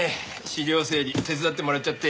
資料整理手伝ってもらっちゃって。